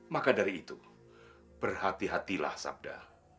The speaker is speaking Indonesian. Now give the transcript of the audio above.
maka dari itu berhati hatilah sabda